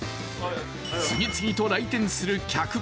次々と来店する客。